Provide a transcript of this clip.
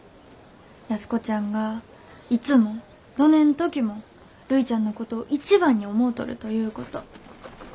安子ちゃんがいつもどねん時もるいちゃんのことを一番に思うとるということ。